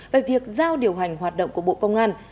về việc giao điều hành hoạt động của bộ công an